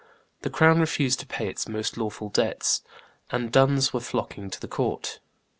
The crown refused to pay its most lawful debts, and duns were flocking to the court.